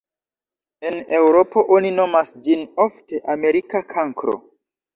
En Eŭropo oni nomas ĝin ofte "Amerika kankro".